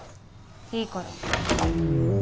いいから。